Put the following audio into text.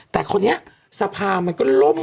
แต่คนนี้สภามันก็ล่ม